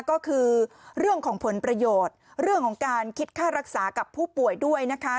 ก็คือเรื่องของผลประโยชน์เรื่องของการคิดค่ารักษากับผู้ป่วยด้วยนะคะ